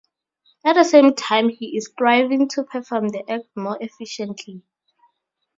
At the same time he is striving to perform the act more efficiently.